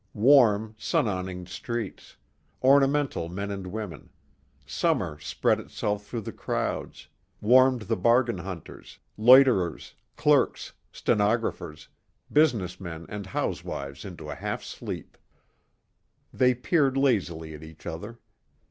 Warm, sun awninged streets; ornamental men and women summer spread itself through the crowds, warmed the bargain hunters, loiterers, clerks, stenographers, business men and housewives into a half sleep. They peered lazily at each other.